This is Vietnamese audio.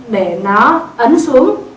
để nó ấn xuống